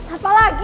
apa lagi sih